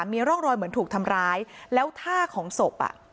มีร่องรอยเหมือนถูกทำร้ายแล้วท่าของศพอ่ะ